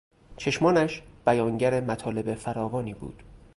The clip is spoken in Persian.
چشمانش بیانگر مطالب فراوانی بود.